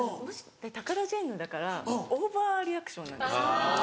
タカラジェンヌだからオーバーリアクションなんですよ。